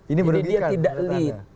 ini dia tidak lead